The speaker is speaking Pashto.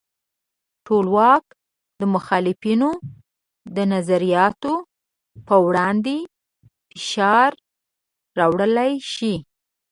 ټولواک د مخالفینو د نظریاتو پر وړاندې فشار راوړلی شي.